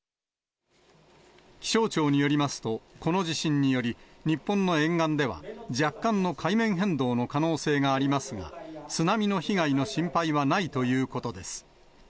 気象庁によりますと、この地震により、日本の沿岸では、若干の海面変動の可能性がありますが、津波の被害の心配はないということです。